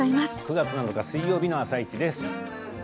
９月７日水曜日の「あさイチ」です。